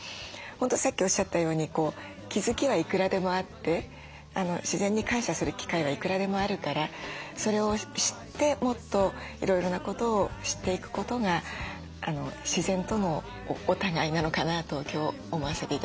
本当さっきおっしゃったように気付きはいくらでもあって自然に感謝する機会はいくらでもあるからそれを知ってもっといろいろなことを知っていくことが自然とのお互いなのかなと今日思わせて頂きました。